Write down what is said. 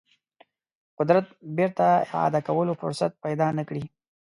قدرت بیرته اعاده کولو فرصت پیدا نه کړي.